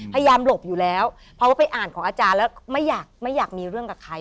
หลบอยู่แล้วเพราะว่าไปอ่านของอาจารย์แล้วไม่อยากไม่อยากมีเรื่องกับใคร